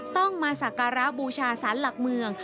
ต้องมาสักการะบูชาสารหลักเมือง